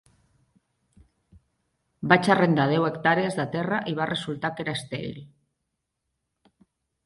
Vaig arrendar deu hectàrees de terra i va resultar que era estèril.